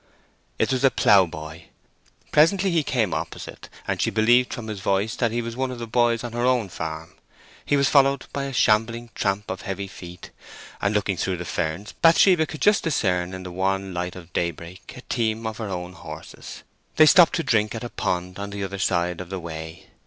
It was a ploughboy. Presently he came opposite, and she believed from his voice that he was one of the boys on her own farm. He was followed by a shambling tramp of heavy feet, and looking through the ferns Bathsheba could just discern in the wan light of daybreak a team of her own horses. They stopped to drink at a pond on the other side of the way.